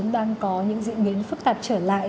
đang có những diễn biến phức tạp trở lại